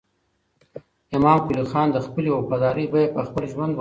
امام قلي خان د خپلې وفادارۍ بیه په خپل ژوند ورکړه.